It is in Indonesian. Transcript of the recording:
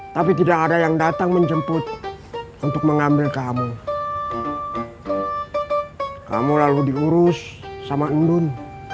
tapi tidak ada yang datang menjemput untuk mengambil kamu kamu lalu diurus sama endun